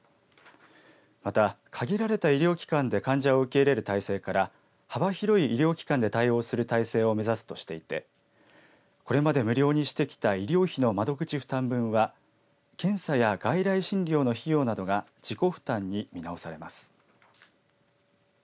また限られた医療機関で患者を受け入れる体制から幅広い医療機関で対応する体制を目指すとしていてこれまで無料にしてきた医療費の窓口負担分は検査や外来診療の費用などが自己負担に見直されます。